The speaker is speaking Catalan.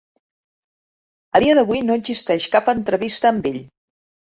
A dia d'avui, no existeix cap entrevista amb ell.